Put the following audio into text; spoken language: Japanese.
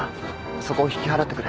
そこを引き払ってくれ。